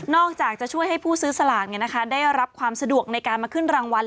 อกจากจะช่วยให้ผู้ซื้อสลากได้รับความสะดวกในการมาขึ้นรางวัล